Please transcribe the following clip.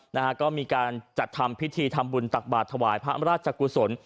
นะฮะก็มีการจัดทำพิธีทำบุญตักบาทถวายพระราชกุศล